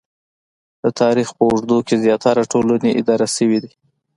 د تاریخ په اوږدو کې زیاتره ټولنې اداره شوې دي